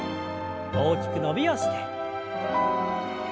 大きく伸びをして。